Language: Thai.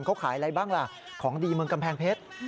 เขาขายอะไรบ้างล่ะของดีเมืองกำแพงเพชร